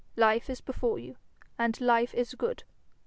Life is before you, and life is good.